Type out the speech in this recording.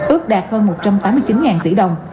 ước đạt hơn một trăm tám mươi chín tỷ đồng